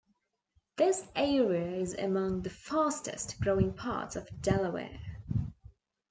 This area is among the fastest growing parts of Delaware.